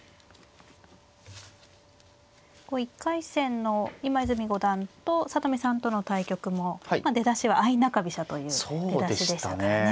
１回戦の今泉五段と里見さんとの対局もまあ出だしは相中飛車という出だしでしたからね。